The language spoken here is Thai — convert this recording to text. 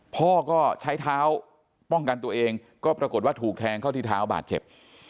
พ่อก็ใช้เท้าป้องกันตัวเองก็ปรากฏว่าถูกแทงเข้าที่เท้าบาดเจ็บ